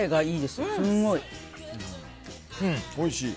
おいしい。